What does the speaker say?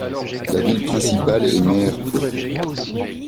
La ville principale est Meherpur.